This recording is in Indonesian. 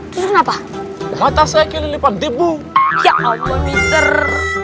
kenapa mata saya kiri lipat dibu ya allah mister